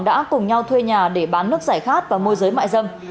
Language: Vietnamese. đã cùng nhau thuê nhà để bán nước giải khát và môi giới mại dâm